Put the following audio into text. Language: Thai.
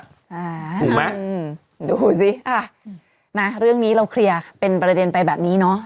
ถูกไหมดูสิอ่ะมาเรื่องนี้เราเคลียร์เป็นประเด็นไปแบบนี้เนอะ